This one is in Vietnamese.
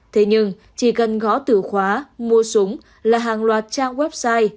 thế nhưng chỉ cần gõ tử khóa mua súng là hàng loạt trang website